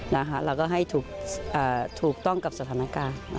แล้วก็ให้ถูกต้องกับสถานการณ์